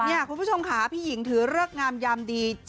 นี่คุณผู้ชมค่ะพี่หญิงถือเลิกงามยามดี